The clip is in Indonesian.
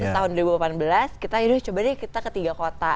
tahun dua ribu delapan belas kita yaudah coba deh kita ke tiga kota